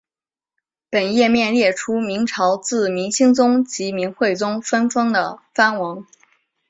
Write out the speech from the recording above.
本页面列出明朝自明兴宗及明惠宗分封的藩王。